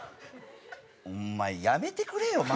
お前やめてくれよマジで。